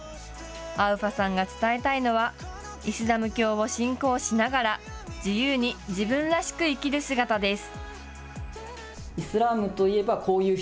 アウファさんが伝えたいのはイスラム教を信仰しながら自由に自分らしく生きる姿です。